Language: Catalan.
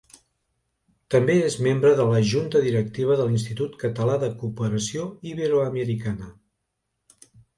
També és membre de la junta directiva de l'Institut Català de Cooperació Iberoamericana.